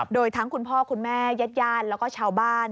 โดยทั้งคุณพ่อคุณแม่ญาติญาติแล้วก็ชาวบ้าน